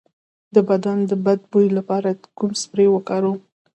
د بدن د بد بوی لپاره کوم سپری وکاروم؟